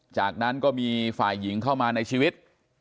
จากนั้นก็มีฝ่ายหญิงเข้ามาในชีวิต